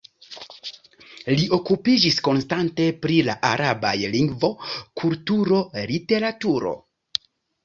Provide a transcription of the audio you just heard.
Li okupiĝis konstante pri la arabaj lingvo, kulturo, literaturo.